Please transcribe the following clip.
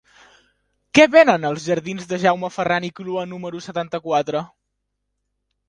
Què venen als jardins de Jaume Ferran i Clua número setanta-quatre?